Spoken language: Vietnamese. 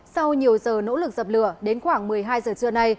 sau nhiều giờ nỗ lực dập lửa đến khoảng một mươi hai giờ trưa nay